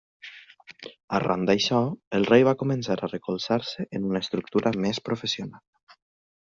Arran d'això, el rei va començar a recolzar-se en una estructura més professional.